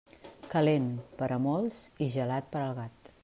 Calent, per a molts, i gelat, per al gat.